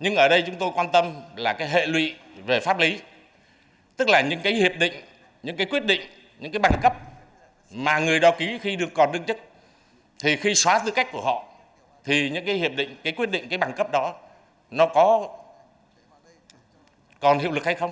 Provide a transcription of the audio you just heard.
nhưng ở đây chúng tôi quan tâm là cái hệ lụy về pháp lý tức là những cái hiệp định những cái quyết định những cái bằng cấp mà người đo ký khi được còn đương chí